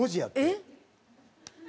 えっ？